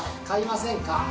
買いませんか？